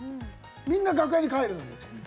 みんな楽屋に帰るのに。